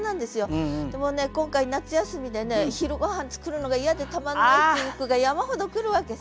もうね今回夏休みでね昼ごはん作るのが嫌でたまんないっていう句が山ほど来るわけさ。